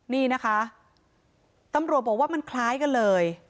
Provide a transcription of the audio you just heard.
นี่นะคะตำรวจบอกว่ามันคล้ายกันเลย